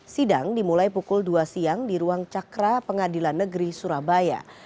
sidang dimulai pukul dua siang di ruang cakra pengadilan negeri surabaya